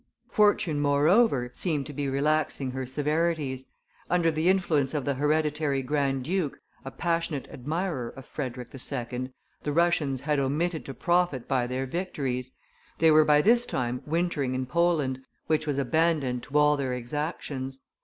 Fortune, moreover, seemed to be relaxing her severities. Under the influence of the hereditary grand duke, a passionate admirer of Frederick II., the Russians had omitted to profit by their victories; they were by this time wintering in Poland, which was abandoned to all their exactions.